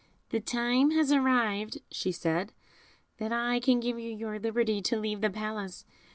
"The time has arrived," said she, "that I can give you your liberty to leave the Palace.